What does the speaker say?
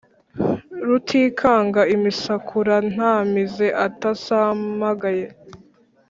Rutikanga imisakura nta mize atasamagaye;